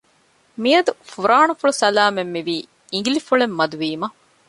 މިއަދު ފުރާނަފުޅު ސަލާމަތް މިވީ އިނގިލިފުޅެއް މަދު ވީމަ